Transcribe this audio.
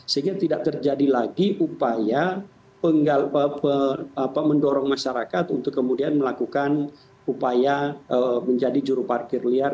sehingga tidak terjadi lagi upaya mendorong masyarakat untuk kemudian melakukan upaya menjadi juru parkir liar